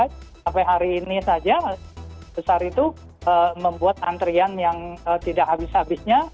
sampai hari ini saja besar itu membuat antrian yang tidak habis habisnya